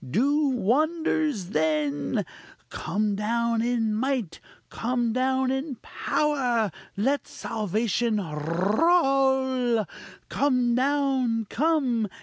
do wonders then! come down in might! come down in power! let salvation roll! Come down! _come!